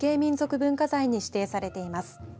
文化財に指定されています。